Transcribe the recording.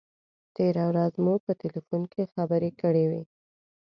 تېره ورځ مو په تیلفون کې خبرې کړې وې.